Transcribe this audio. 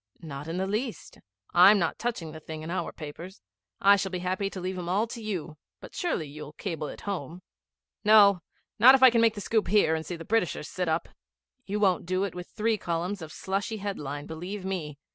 'Not in the least. I'm not touching the thing in our papers. I shall be happy to leave 'em all to you; but surely you'll cable it home?' 'No. Not if I can make the scoop here and see the Britishers sit up.' 'You won't do it with three columns of slushy headline, believe me.